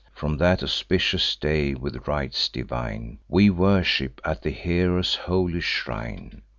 From that auspicious day, with rites divine, We worship at the hero's holy shrine.